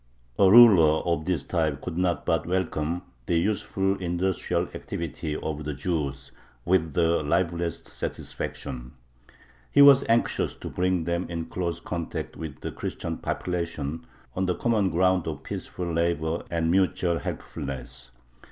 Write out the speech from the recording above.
A ruler of this type could not but welcome the useful industrial activity of the Jews with the liveliest satisfaction. He was anxious to bring them in close contact with the Christian population on the common ground of peaceful labor and mutual helpfulness.